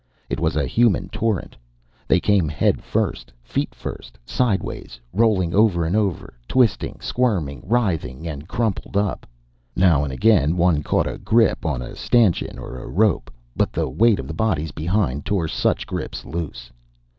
It was a human torrent. They came head first, feet first, sidewise, rolling over and over, twisting, squirming, writhing, and crumpling up. Now and again one caught a grip on a stanchion or a rope; but the weight of the bodies behind tore such grips loose.